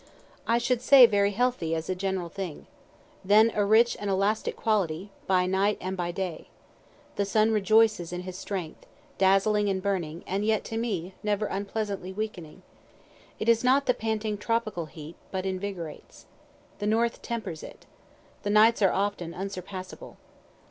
I should say very healthy, as a general thing. Then a rich and elastic quality, by night and by day. The sun rejoices in his strength, dazzling and burning, and yet, to me, never unpleasantly weakening. It is not the panting tropical heat, but invigorates. The north tempers it. The nights are often unsurpassable.